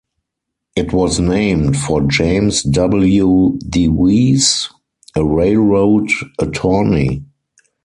It was named for James W. Deweese, a railroad attorney.